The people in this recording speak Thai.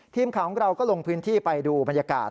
ทีมข่าวของเราก็ลงพื้นที่ไปดูบรรยากาศ